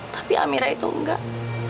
tapi amirah itu enggak